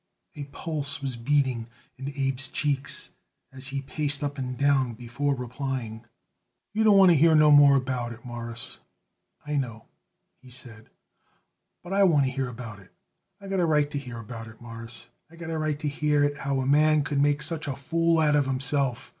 A pulse was beating in Abe's cheeks as he paced up and down before replying. "You don't want to hear no more about it, Mawruss, I know," he said; "but I want to hear about it. I got a right to hear about it, Mawruss. I got a right to hear it how a man could make such a fool out of himself.